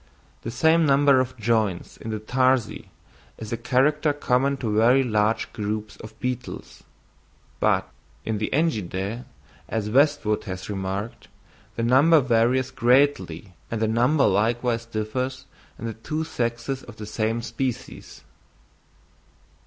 The same number of joints in the tarsi is a character common to very large groups of beetles, but in the Engidæ, as Westwood has remarked, the number varies greatly and the number likewise differs in the two sexes of the same species.